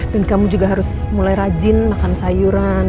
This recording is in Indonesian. dan kamu juga harus mulai rajin makan sayuran